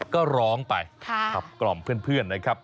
ก็ร้องไปขับกล่อมเพื่อนนะครับ